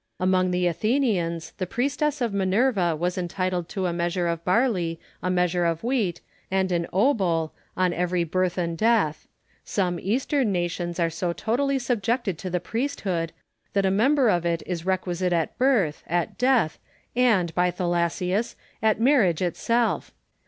Among the Athenians, the priestess of Minerva was entitled to a measure of barley, a measure of wheat, and an obol, on evei y birth and death. Some Eastern nations are so totally subjected to the priesthood, that a member of it is requisite at birth, at death, and, by Thalassius ! at marriage itself.